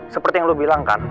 seperti yang lo bilang kan